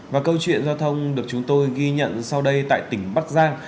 và câu chuyện giao thông được chúng tôi ghi nhận sau đây tại tỉnh bắc giang